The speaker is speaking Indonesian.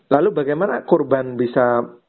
lalu bagaimana kurban bisa